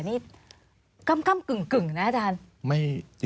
นี่กำกึ่งนะอาจารย์